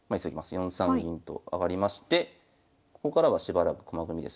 ４三銀と上がりましてここからはしばらく駒組みですね。